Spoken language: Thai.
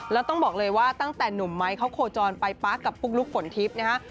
แล้วต้องบอกเลยว่าตั้งแต่หนุ่มไม้เขาโคจรไปป๊ากับปุ๊กลุ๊กฝนทิพย์นะฮะ